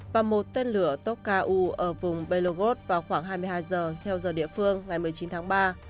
và một tên lửa toka u ở vùng begorod vào khoảng hai mươi hai giờ theo giờ địa phương ngày một mươi chín tháng ba